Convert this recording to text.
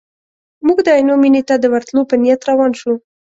موږ د عینو مینې ته د ورتلو په نیت روان شوو.